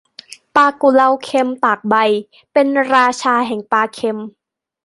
ปลากุเลาเค็ม ตากใบ เป็นราชาแห่งปลาเค็ม